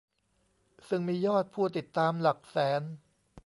ซึ่งมียอดผู้ติดตามหลักแสน